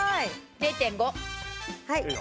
０．５。